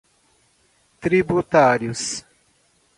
tributários